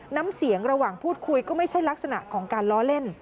น้ำเสียงระหว่างพูดคุยก็ไม่ใช่ลักษณะของการล้อเล่น